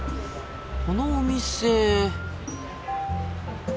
このお店。